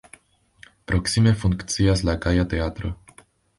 Proksime funkcias la Gaja Teatro.